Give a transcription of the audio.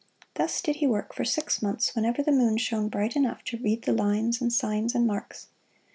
Thus did he work for six months, whenever the moon shone bright enough to read the lines and signs and marks.